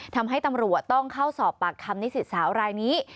ทำให้ตำรวจต้องเข้าสอบปากคำนิสิตสาวรายนี้